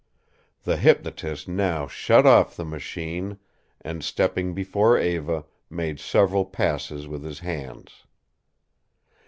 The hypnotist now shut off the machine and, stepping before Eva, made several passes with his hands.